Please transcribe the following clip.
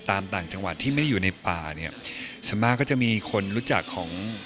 ต่างจังหวัดที่ไม่ได้อยู่ในป่าเนี่ยส่วนมากก็จะมีคนรู้จักของ